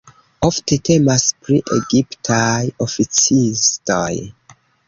Ofte temas pri egiptaj oficistoj.